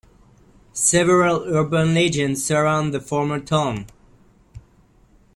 Several urban legends surround the former town.